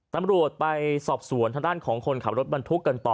ตำรวจไปสอบสวนทางด้านของคนขับรถบรรทุกกันต่อ